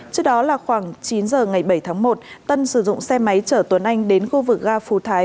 trước đó là khoảng chín giờ ngày bảy tháng một tân sử dụng xe máy chở tuấn anh đến khu vực ga phú thái